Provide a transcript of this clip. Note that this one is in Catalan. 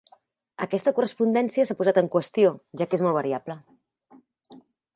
Aquesta correspondència s'ha posat en qüestió, ja que és molt variable.